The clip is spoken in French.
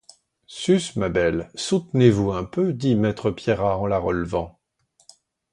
Sus, ma belle, soutenez-vous un peu, dit maître Pierrat en la relevant.